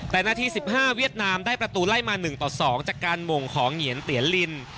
แต่นาที๑๕เวียดนามได้ประตูไล่มา๑ต่อ๒จากการหม่งของเหงียนเตียนลิน